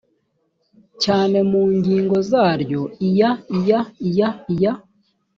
cyane mu ngingo zaryo iya iya iya iya